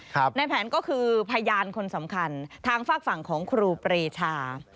ในแผนก็คือพยานคนสำคัญทางฝากฝั่งของครูปรีชา